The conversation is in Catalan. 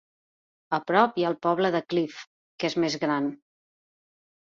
A prop hi ha el poble de Clive, que és més gran.